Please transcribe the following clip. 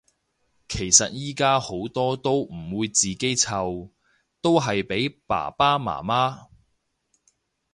其實依家好多都唔會自己湊，都係俾爸爸媽媽